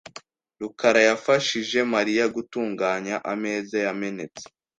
rukara yafashije Mariya gutunganya ameza yamenetse .